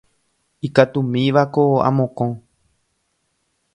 Ikatumívako amokõ.